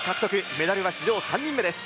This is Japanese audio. メダルは史上３人目です。